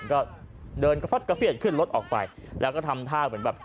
ก็เดินกระฟัดกระเฟียดขึ้นรถออกไปแล้วก็ทำท่าเหมือนแบบ